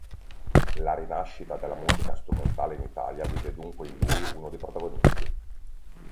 La rinascita della musica strumentale in Italia vide dunque in lui uno dei protagonisti.